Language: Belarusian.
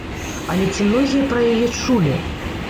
Але ці многія пра яе чулі?